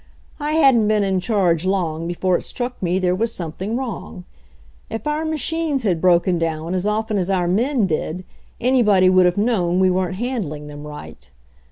"I hadn't been in charge long before it struck me there was something wrong. If our machines had broken down as often as our men did anybody would have known we weren't handling them right.